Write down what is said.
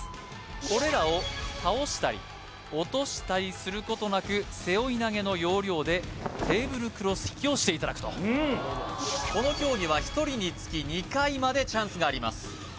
これらを倒したり落としたりすることなく背負い投げの要領でテーブルクロス引きをしていただくとこの競技は１人につき２回までチャンスがあります